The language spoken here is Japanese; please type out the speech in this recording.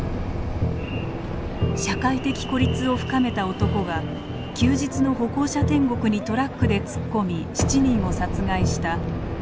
社会的孤立を深めた男が休日の歩行者天国にトラックで突っ込み７人を殺害した秋葉原通り魔事件。